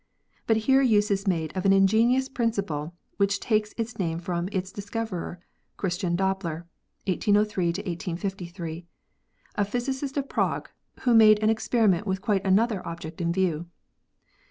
But here use is made of an ingenious prin ciple, which takes its name from its discoverer, Christian Doppler (1803 1853), a physicist of Prague, who made an experiment with quite another object in view.